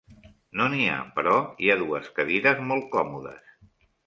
No n'hi ha, però hi ha dues cadires molt còmodes.